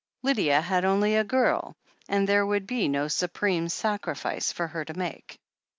Lydia had only a girl — ^there would be no supreme sacrifice for her to make.